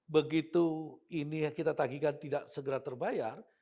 begitu ini kita tagihkan tidak segera terbayar